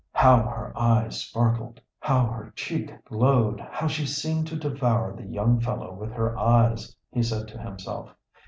"How her eyes sparkled, how her cheek glowed, how she seemed to devour the young fellow with her eyes!" he said to himself.